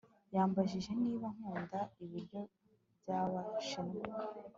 yambajije niba nkunda ibiryo by'abashinwa